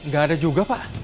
gak ada juga pak